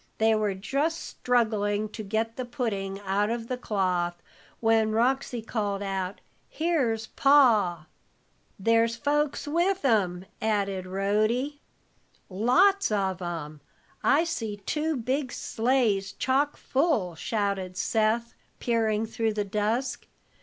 They were just struggling to get the pudding out of the cloth when Roxy called out, "Here's Pa!" "There's folks with him," added Rhody. "Lots of 'em! I see two big sleighs chock full," shouted Seth, peering through the dusk.